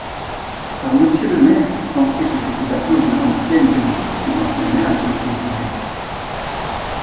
Par Monsieur le Maire qui pensait que c’était à cause de l’ancienne politique que l’ancien maire avait été viré.